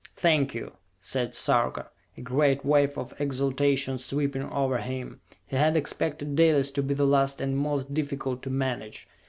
"Thank you," said Sarka, a great wave of exaltation sweeping over him. He had expected Dalis to be the last and most difficult to manage.